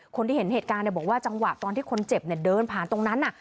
คนที่เห็นเหตุการณ์บอกว่าจังหวะตอนที่คนเจ็บเดินผ่านตรงนั้น